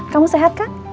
kamu sehat kan